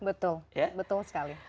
betul betul sekali